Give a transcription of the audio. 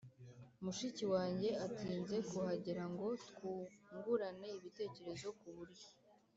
mushiki wange atinze kuhagera ngo twungurane ibitekerezo ku buryo